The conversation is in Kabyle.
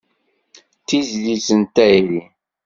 D tizlit n tayri.